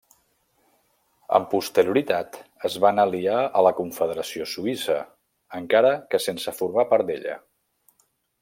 Amb posterioritat es van aliar a la confederació suïssa, encara que sense formar part d'ella.